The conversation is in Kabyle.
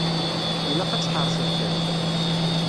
Ilaq ad tḥerceḍ kra.